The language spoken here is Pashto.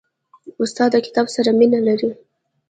استاد د کتاب سره مینه لري.